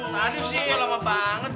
tadi sih lama banget